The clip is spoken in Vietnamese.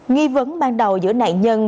nghi vấn ban đầu giữa nạn nhân